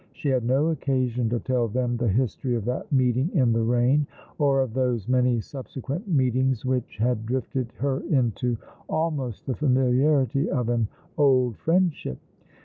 Slie had no occasion to tell them the history of that meeting in the rain, or of those many subsequent meet ings which had drifted her into almost the famiharity of an old friendship.